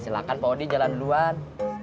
silahkan pak odi jalan duluan